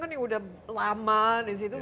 yang sudah lama di situ